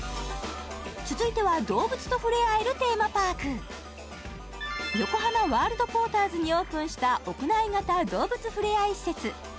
続いては動物と触れ合えるテーマパーク横浜ワールドポーターズにオープンした屋内型動物触れ合い施設